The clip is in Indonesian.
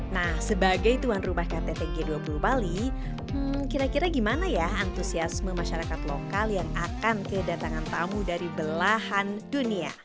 nah sebagai tuan rumah ktt g dua puluh bali kira kira gimana ya antusiasme masyarakat lokal yang akan kedatangan tamu dari belahan dunia